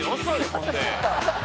ほんで」